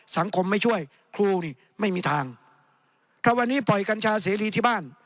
สังคมไม่ช่วยครูนี่ไม่มีทางถ้าวันนี้ปล่อยกัญชาเสรีที่บ้าน